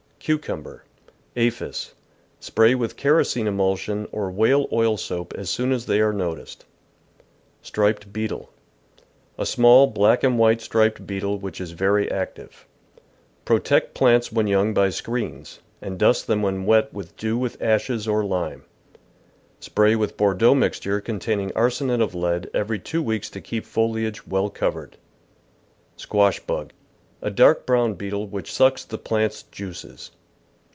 Cucumber. — Aphis. — Spray with kerosene emulsion or whale oil soap as soon as they are no ticed. Striped Beetle. — A small black and white striped beetle which is very active. Protect plants when young by screens, and dust them when wet with dew with ashes or lime. Spray with Bordeaux mixture containing arsenate of lead every two weeks to keep foliage well covered. Squash Bug. — A dark brown beetle which sucks the plant's juices.